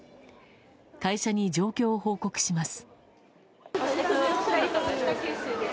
会社に状況を報告します。